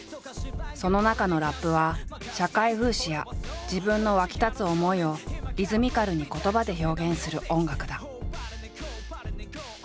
その中のラップは社会風刺や自分の沸き立つ思いをリズミカルに言葉で表現する音楽だ。